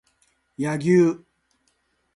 柳生